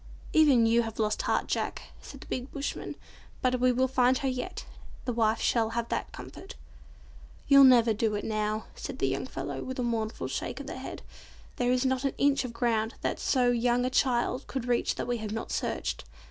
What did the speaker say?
"Even you have lost heart, Jack," said the big bushman, "but we will find her yet; the wife shall have that comfort." "You'll never do it now," said the young fellow with a mournful shake of the head. "There is not an inch of ground that so young a child could reach that we have not searched.